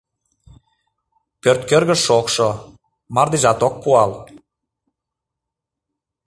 Пӧрткӧргӧ шокшо — мардежат ок пуал.